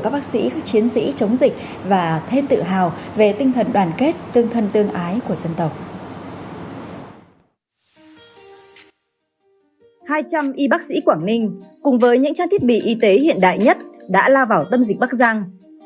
đã la vào tâm dịch bắc giang